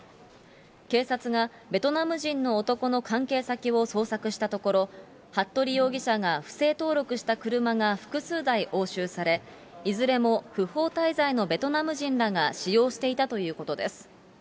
警察がベトナム人の男の関係先を捜索したところ、服部容疑者が不正登録した車が複数台押収され、いずれも不法滞在のベトナム人らが使用していたということです。